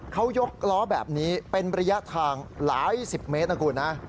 เขายกล้อแบบนี้เป็นระยะทางหลายสิบเมตรนะคุณนะ